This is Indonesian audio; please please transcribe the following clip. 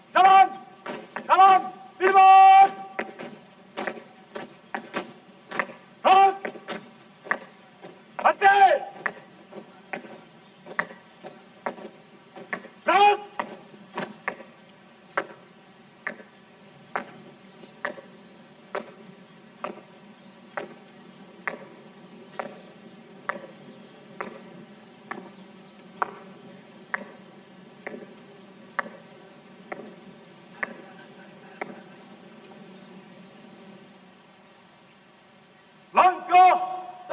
kembali ke tempat